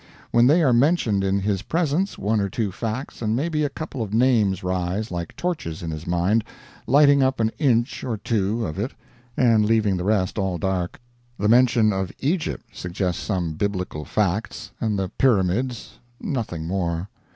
When they are mentioned in his presence one or two facts and maybe a couple of names rise like torches in his mind, lighting up an inch or two of it and leaving the rest all dark. The mention of Egypt suggests some Biblical facts and the Pyramids nothing more.